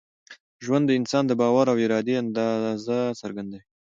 ژوند د انسان د باور او ارادې اندازه څرګندوي.